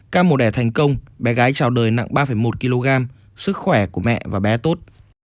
ca mổ đẻ thành công bé gái trào đời nặng ba một kg sức khỏe của mẹ và bé tốt